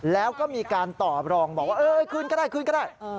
แล้วก็มีการตอบรองบอกว่าคืนก็ได้คืนก็ได้